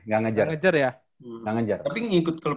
gak ngejar tapi ngikut klub